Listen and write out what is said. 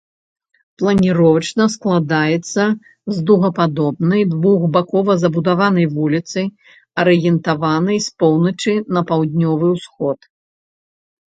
Планіровачна складаецца з дугападобнай, двухбакова забудаванай вуліцы, арыентаванай з поўначы на паўднёвы ўсход.